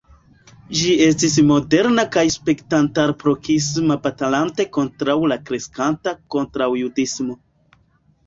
Ĝi estis moderna kaj spektantarproksima batalante kontraŭ la kreskanta kontraŭjudismo.